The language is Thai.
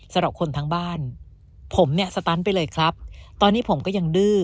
สำหรับคนทั้งบ้านผมเนี่ยสตันไปเลยครับตอนนี้ผมก็ยังดื้อ